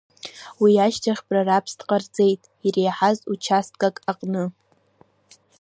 Уи ашьҭахь прорабс дҟарҵеит, иреиҳаз участкак аҟны.